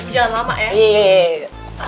jangan lama ya